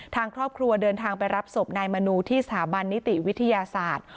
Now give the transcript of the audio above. ทางครอบครัวเดินทางไปรับศพนายมนูที่สถาบันนิติวิทยาศาสตร์